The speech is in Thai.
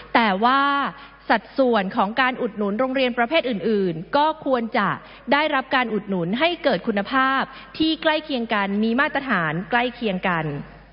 แต่ว่าสัดส่วนของการอุดหนุนโรงเรียนประเภทอื่นก็ควรจะได้รับการอุดหนุนให้เกิดคุณภาพที่ใกล้เคียงกันมีมาตรฐานใกล้เคียงกัน